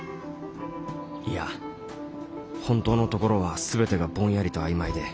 いや本当のところは全てがぼんやりと曖昧で。